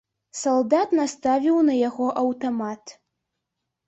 Салдат наставіў на яго аўтамат.